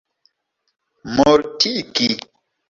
mortigi